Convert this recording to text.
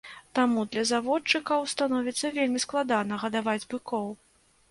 Таму для заводчыкаў становіцца вельмі складана гадаваць быкоў.